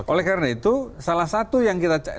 oleh karena itu salah satu yang kita